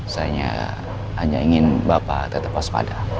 saya hanya ingin bapak tetap waspada